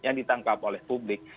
yang ditangkap oleh publik